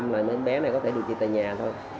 chín mươi là em bé này có thể điều trị tại nhà thôi